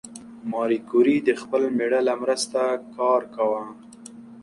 ماري کوري د خپل مېړه له مرسته کار کاوه.